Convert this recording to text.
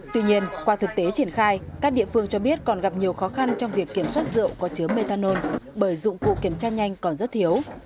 tuy nhiên qua thực tế triển khai các địa phương cho biết còn gặp nhiều khó khăn trong việc kiểm soát rượu có chứa methanol bởi dụng cụ kiểm tra nhanh còn rất thiếu